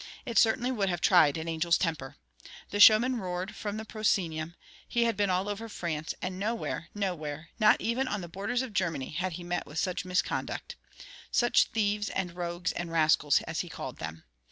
It certainly would have tried an angel's temper. The showman roared from the proscenium; he had been all over France, and nowhere, nowhere, 'not even on the borders of Germany,' had he met with such misconduct. Such thieves and rogues and rascals, as he called them!